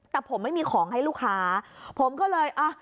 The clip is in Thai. แต่ผมไม่มีของให้ลูกค้าผมก็เลยอ่ะ